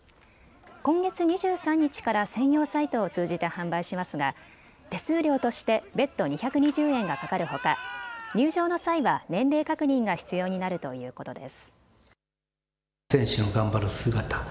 今月２３日から専用サイトを通じて販売しますが手数料として別途２２０円がかかるほか入場の際は年齢確認が必要になるということです。